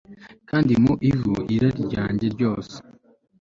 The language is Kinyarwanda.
kandi mu ivu irari ryanjye ryose